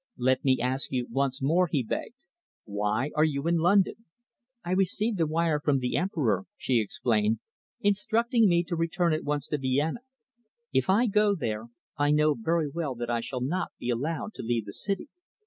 "Let me ask you once more," he begged. "Why are you in London?" "I received a wire from the Emperor," she explained, "instructing me to return at once to Vienna. If I go there, I know very well that I shall not be allowed to leave the city.